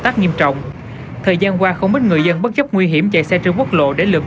tác nghiêm trọng thời gian qua không ít người dân bất chấp nguy hiểm chạy xe trên quốc lộ để lượt